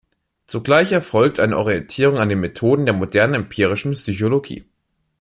Zugleich erfolgt eine Orientierung an den Methoden der modernen empirischen Psychologie.